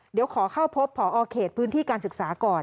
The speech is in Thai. เดี๋ยวขอเข้าพบพอเขตพื้นที่การศึกษาก่อน